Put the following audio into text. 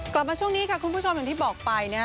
กลับมาช่วงนี้ค่ะคุณผู้ชมอย่างที่บอกไปนะครับ